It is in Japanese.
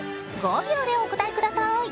５秒でお答えください。